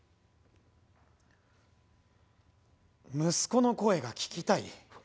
息子の声が聞きたい？